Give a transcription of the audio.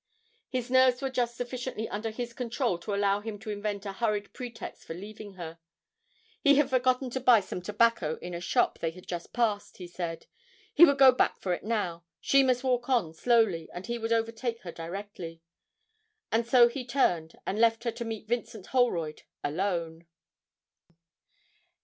His nerves were just sufficiently under his control to allow him to invent a hurried pretext for leaving her. He had forgotten to buy some tobacco in a shop they had just passed, he said; he would go back for it now, she must walk on slowly and he would overtake her directly; and so he turned and left her to meet Vincent Holroyd alone.